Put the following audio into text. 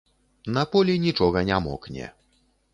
На полі нічога не мокне.